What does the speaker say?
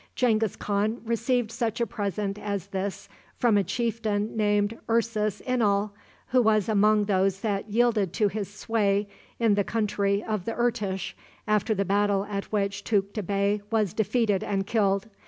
Genghis Khan received such a present as this from a chieftain named Urus Inal, who was among those that yielded to his sway in the country of the Irtish, after the battle at which Tukta Bey was defeated and killed.